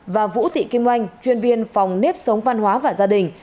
và vũ thị kim oanh chuyên viên phòng nếp sống văn hóa và gia đình